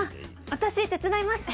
私手伝います。